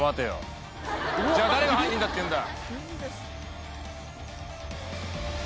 じゃあ誰が犯人だっていうんだ。